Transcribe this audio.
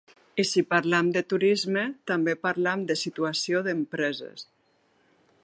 I si parlam de turisme, també parlam de situació d’empreses.